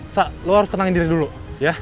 sa lo harus tenangin diri dulu ya